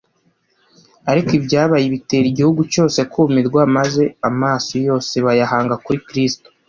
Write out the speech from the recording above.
Ariko ibyabaye bitera igihugu cyose kumirwa, maze amaso yose bayahanga kuri Kristo.